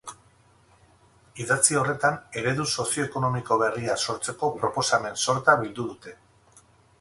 Idatzi horretan eredu sozioekonomiko berria sortzeko proposamen sorta bildu dute.